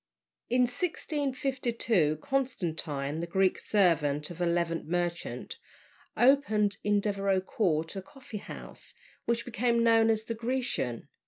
In 1652 Constantine, the Greek servant of a Levant merchant, opened in Devereux Court a coffee house, which became known as "The Grecian."